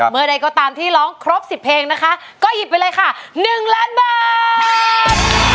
เมื่อใดก็ตามที่ร้องครบ๑๐เพลงนะคะก็หยิบไปเลยค่ะ๑ล้านบาท